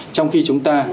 trong khi chúng ta